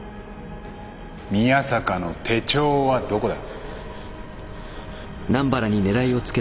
宮坂の手帳はどこだ？